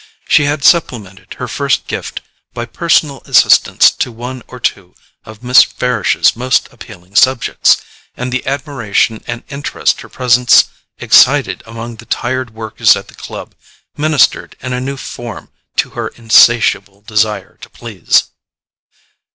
She had supplemented her first gift by personal assistance to one or two of Miss Farish's most appealing subjects, and the admiration and interest her presence excited among the tired workers at the club ministered in a new form to her insatiable desire to please.